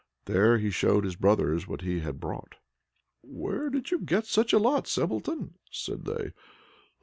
There he showed his brothers what he had brought. "Where did you get such a lot, Simpleton?" said they.